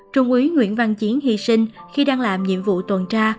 trung úy nguyễn văn chiến hy sinh khi đang làm nhiệm vụ tuần tra